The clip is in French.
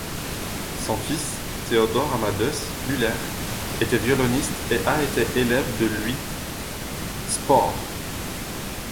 Son fils, Theodor Amadeus Müller, était violoniste et a été élève de Louis Spohr.